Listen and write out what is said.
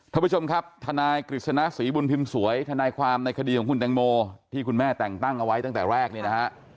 ท่านผู้ชมครับทนายกฤษณะศรีบุญพิมพ์สวยทนายความในคดีของคุณแตงโมที่คุณแม่แต่งตั้งเอาไว้ตั้งแต่แรกเนี่ยนะฮะ